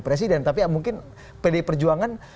presiden tapi mungkin pdi perjuangan